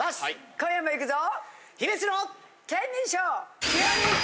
今夜も行くぞ！